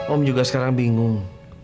om juga sekarang bingung